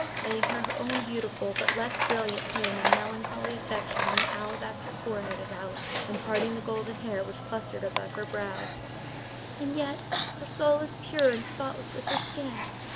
laying her own beautiful, but less brilliant, hand in melancholy affection on the alabaster forehead of Alice, and parting the golden hair which clustered about her brows; "and yet her soul is pure and spotless as her skin!